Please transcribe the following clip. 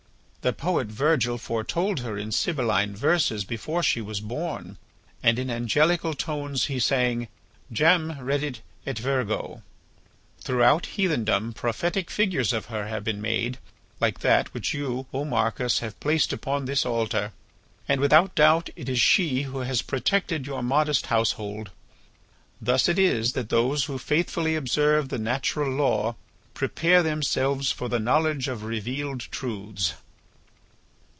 The poet Virgil foretold her in Sibylline verses before she was born and, in angelical tones he sang Jam redit et virgo. Throughout heathendom prophetic figures of her have been made, like that which you, O Marcus, have placed upon this altar. And without doubt it is she who has protected your modest household. Thus it is that those who faithfully observe the natural law prepare themselves for the knowledge of revealed truths."